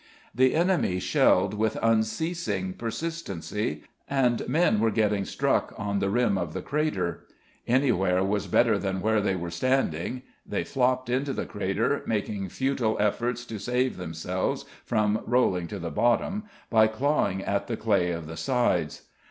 The enemy shelled with unceasing persistency, and men were getting struck on the rim of the crater. Anywhere was better than where they were standing they flopped into the crater, making futile efforts to save themselves, from rolling to the bottom, by clawing at the clay of the sides.